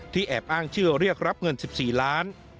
แอบอ้างชื่อเรียกรับเงิน๑๔ล้าน